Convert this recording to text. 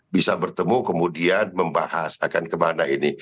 bisa bertemu kemudian membahas akan kemana ini